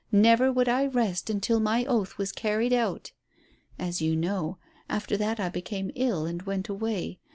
Never would I rest until my oath was carried out. As you know, after that I became ill and went away.